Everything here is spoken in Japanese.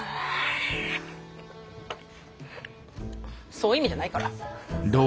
そういう意味じゃないから。